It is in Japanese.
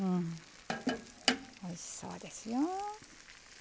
おいしそうですよ。